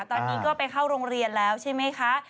ตอนนี้ก็ไปเข้าโรงเรียนแล้วใช่ไหมคะ